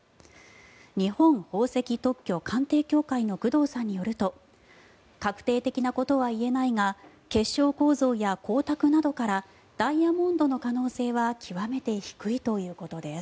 日本宝石特許鑑定協会の工藤さんによると確定的なことは言えないが結晶構造や光沢などからダイヤモンドの可能性は極めて低いということです。